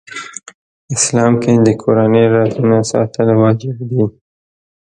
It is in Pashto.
اسلام کې د کورنۍ رازونه ساتل واجب دي .